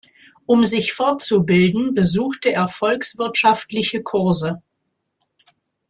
Um sich fortzubilden besuchte er volkswirtschaftliche Kurse.